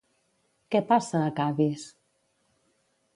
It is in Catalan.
Què passa a Cadis?